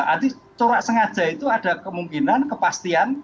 artinya corak sengaja itu ada kemungkinan kepastian